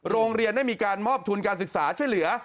โรงเรียนได้มีการมอบทุนการศึกษาช่วยเหลือ